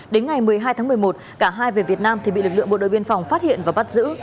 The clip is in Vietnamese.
đến ngày một mươi hai tháng một mươi một cả hai về việt nam thì bị lực lượng bộ đội biên phòng phát hiện và bắt giữ